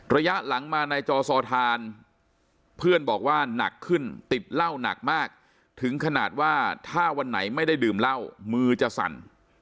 ระยะหลังมาในจอซอทานเพื่อนบอกว่าหนักขึ้นติดเหล้าหนักมากถึงขนาดว่าถ้าวันไหนไม่ได้ดื่มเหล้ามือจะสั่น